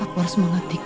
aku harus mengetikkan